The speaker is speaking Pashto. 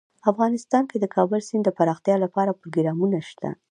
افغانستان کې د کابل سیند دپرمختیا لپاره پروګرامونه شته.